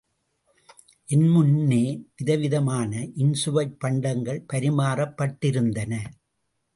என் முன்னே வித விதமான இன்சுவைப் பண்டங்கள் பரிமாறப் பட்டிருந்தன.